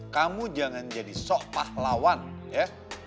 kamu jangan jadi sok pahlawan ya